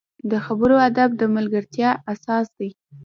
د خبرو ادب د ملګرتیا اساس دی